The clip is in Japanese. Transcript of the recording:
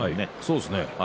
そうですね。